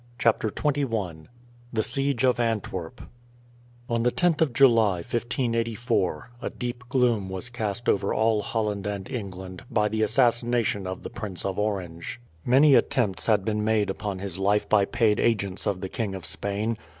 CHAPTER XXI THE SIEGE OF ANTWERP On the 10th of July, 1584, a deep gloom was cast over all Holland and England, by the assassination of the Prince of Orange. Many attempts had been made upon his life by paid agents of the King of Spain.